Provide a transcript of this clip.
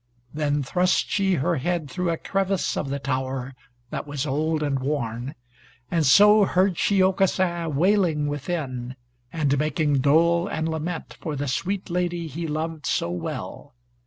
Then thrust she her head through a crevice of the tower that was old and worn, and so heard she Aucassin wailing within, and making dole and lament for the sweet lady he loved so well.